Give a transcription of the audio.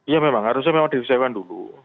ya memang harusnya memang disewakan dulu